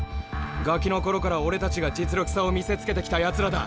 ガキの頃から俺たちが実力差を見せつけてきたやつらだ。